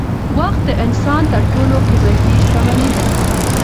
وخت د انسان تر ټولو قیمتي شتمني ده